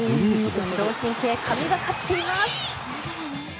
運動神経、神懸かっています。